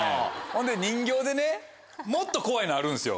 人形でねもっと怖いのあるんですよ。